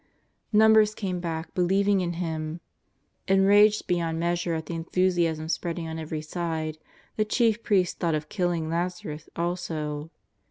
Numbers came back believing in Him. Enraged beyond measure at the enthusiasm spread ing on every side, the chief priests thought of killing Lazarus also.